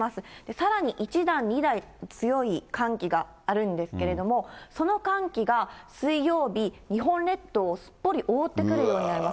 さらに一段、二段、強い寒気があるんですけれども、その寒気が、水曜日、日本列島をすっぽり覆ってくるようになります。